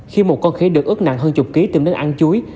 khi một con khỉ được ướt nặng hơn chục ký tìm đến ăn chuối